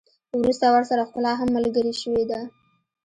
وروسته ورسره ښکلا هم ملګرې شوې ده.